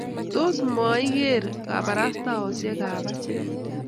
tos muigeer kabarastaosiek ak achek?